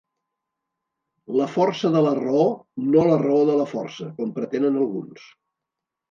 La força de la raó, no la raó de la força, com pretenen alguns.